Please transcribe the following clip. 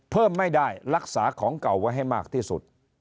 เพิ่มไม่ได้รักษาของเก่าไว้ให้มากที่สุด